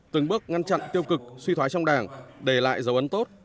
từng bước ngăn chặn tiêu cực suy thoái trong đảng để lại dấu ấn tốt